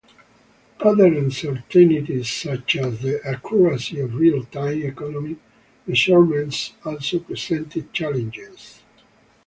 Other uncertainties such as the accuracy of real-time economic measurements also presented challenges.